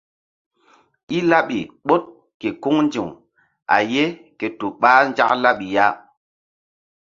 I laɓi ɓoɗ ke kuŋ ndi̧w a ye ke tu ɓah nzak laɓi ya.